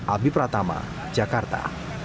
abi pratama jakarta